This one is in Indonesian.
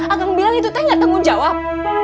akang bilang itu teh gak tanggung jawab